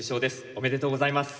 おめでとうございます。